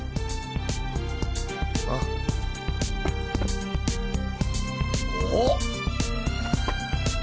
ああ。おっ。